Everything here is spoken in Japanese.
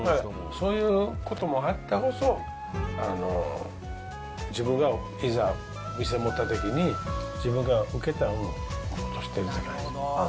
そういうこともあったからこそ、自分がいざ、店を持ったときに、自分が受けた恩を戻してるって話で。